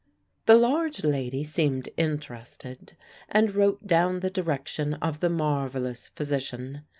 The large lady seemed interested and wrote down the direction of the marvellous physician.